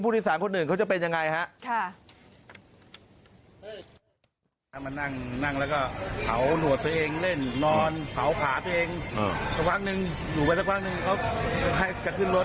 ผู้ที่สามคนอื่นเขาจะเป็นอย่างไรฮะ